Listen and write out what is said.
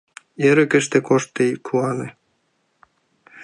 Эрыкыште кошт тый, куане».